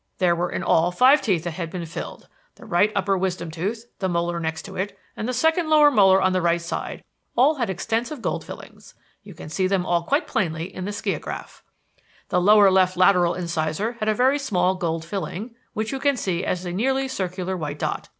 There were in all five teeth that had been filled. The right upper wisdom tooth, the molar next to it, and the second lower molar on the left side, had all extensive gold fillings. You can see them all quite plainly in the skiagraph. The lower left lateral incisor had a very small gold filling, which you can see as a nearly circular white dot.